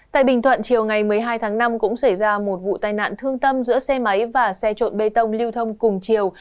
tại bình thuận chiều ngày một mươi hai tháng năm cũng xảy ra một vụ tai nạn thương tâm giữa xe máy và xe trộn bê tông lưu thông cùng chiều